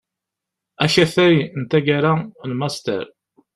Akatay n taggara n Master.